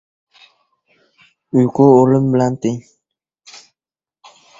• Uyqu o‘lim bilan teng.